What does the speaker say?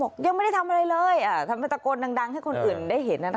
ยังไม่ได้ทำอะไรเลยทำให้ตะโกนดังให้คนอื่นได้เห็น